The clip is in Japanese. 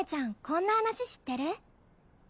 こんな話知ってる？